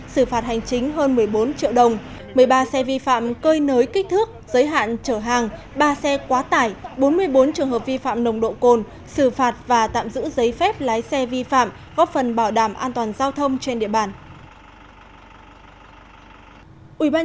xử phạt hành chính hơn một mươi bốn triệu đồng một mươi ba xe vi phạm cơi nới kích thước giới hạn trở hàng ba xe quá tải bốn mươi bốn trường hợp vi phạm nồng độ cồn xử phạt và tạm giữ giấy phép lái xe vi phạm góp phần bảo đảm an toàn giao thông trên địa bàn